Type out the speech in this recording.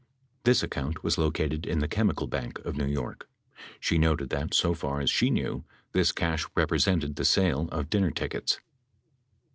This account was located in the Chemical Bank of New York. She noted that, so far as she knew, this cash represented the sale of dinner tickets.